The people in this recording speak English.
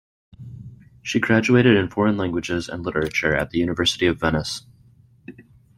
She graduated in foreign languages and literature at the University of Venice.